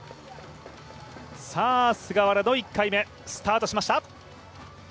菅原の１回目、スタートしました。